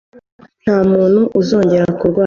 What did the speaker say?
Nta muntu uzongera kurwara